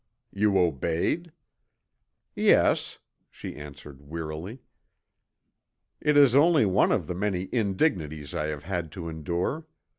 "You obeyed?" "Yes," she answered wearily. "It is only one of the many indignities I have had to endure.